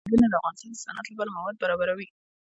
دریابونه د افغانستان د صنعت لپاره مواد برابروي.